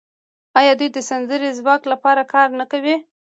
آیا دوی د سمندري ځواک لپاره کار نه کوي؟